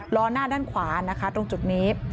ล้อหน้าด้านขวานะคะตรงจุดนี้